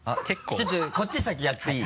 ちょっとこっち先やっていい？